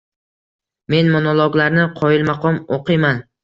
Men monologlarni qoyilmaqom oʻqiyman.